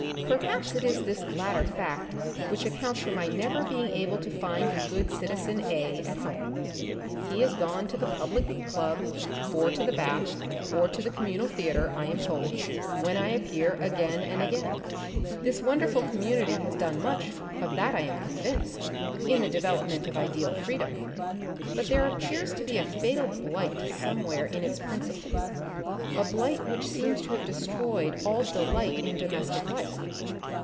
Perhaps it is this latter fact which accounts for my never being able to find the good citizen A at home. He is gone to the public club, 34 I'he Republic of the Future. or to the bath, or to the Communal Theater, I am told, when I appear again and again. This wonderful community has done much, of that I am convinced, in the development of ideal freedom ; but there appears to be a fatal bh'ght somewhere in its principles, a blight which seems to have destroyed all delight in domestic life.